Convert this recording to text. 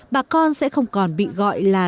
bà con sẽ không còn bị gọi là